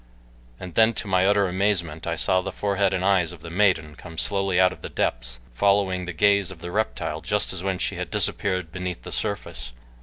And then to my utter amazement I saw the forehead and eyes of the maiden come slowly out of the depths, following the gaze of the reptile just as when she had disappeared beneath the surface.